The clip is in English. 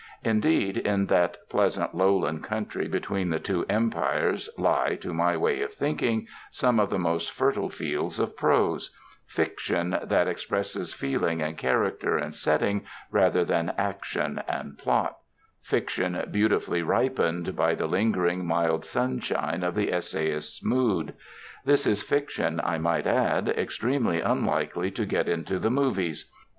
Indeed, in that pleasant lowland country between the two empires lie (to my way of thinking) some of the most fertile fields of prose fiction that expresses feeling and character and setting rather than action and plot; fiction beautifully ripened by the lingering mild sunshine of the essayist's mood. This is fiction, I might add, extremely unlikely to get into the movies.